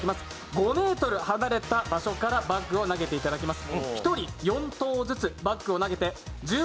５ｍ離れた場所からバッグを投げていただきます。